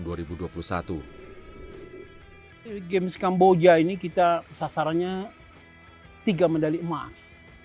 sea games kamboja ini kita sasarannya tiga medali emas